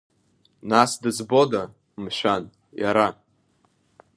Нас дызбода, мшәан, иара?